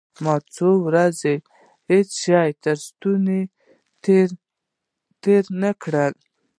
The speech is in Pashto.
ما څو ورځې هېڅ شى تر ستوني تېر نه کړل.